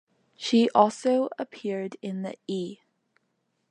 She also appeared in the E!